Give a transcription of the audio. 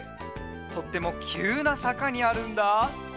とってもきゅうなさかにあるんだ！